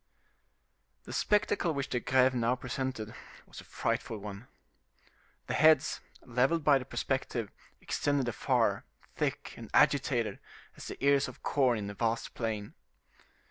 The spectacle which the Greve now presented was a frightful one. The heads, leveled by the perspective, extended afar, thick and agitated as the ears of corn in a vast plain.